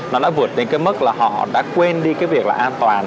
nó đã vượt đến cái mức là họ đã quên đi cái việc là an toàn